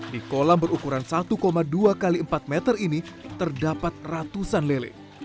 di kolam berukuran satu dua x empat meter ini terdapat ratusan lele